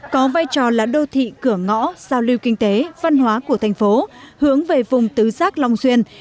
có vai trò là đô thị cửa ngõ giao lưu kinh tế văn hóa của thành phố hướng về vùng tứ giác long xuyên